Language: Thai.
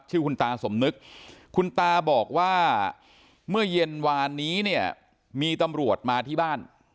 ชื่อคุณตาสมนึกคุณตาบอกว่าเมื่อเย็นวานนี้เนี่ยมีตำรวจมาที่บ้าน